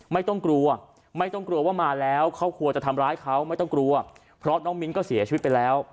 ไม่ต้องกลัวไม่ต้องกลัวว่ามาแล้วครอบครัวจะทำร้ายเขาไม่ต้องกลัวเพราะน้องมิ้นก็เสียชีวิตไปแล้ว